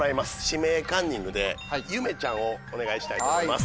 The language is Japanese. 「指名カンニング」でゆめちゃんをお願いしたいと思います。